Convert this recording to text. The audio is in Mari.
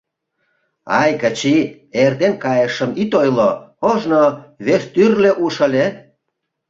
— Ай, Кычи, эртен кайышым ит ойло: ожно вестӱрлӧ уш ыле.